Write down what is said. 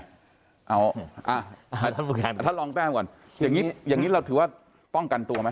ท่านลองแป้งก่อนอย่างงี้เราถือว่าป้องกันตัวไหม